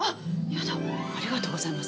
やだありがとうございます。